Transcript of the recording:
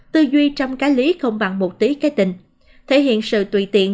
tư duy trong cái lý không bằng một tí cái tình thể hiện sự tùy tiện